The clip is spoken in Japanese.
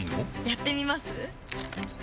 やってみます？